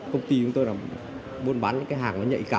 công ty của tôi là muốn bán những cái hàng nó nhạy cả